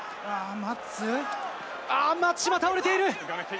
松島倒れている。